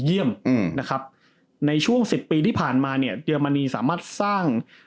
คือเยี่ยมอืมนะครับในช่วงสิบปีที่ผ่านมาเนี่ยเยื่อมณีสามารถสร้าง